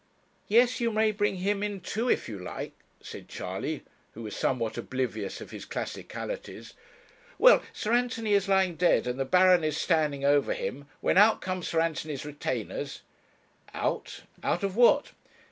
'Yes, you may bring him in too, if you like,' said Charley, who was somewhat oblivious of his classicalities. 'Well, Sir Anthony is lying dead and the Baron is standing over him, when out come Sir Anthony's retainers ' 'Out out of what?'